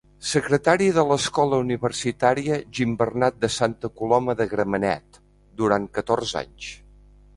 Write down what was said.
Secretari de l'Escola Universitària Gimbernat de Santa Coloma de Gramenet, durant catorze anys.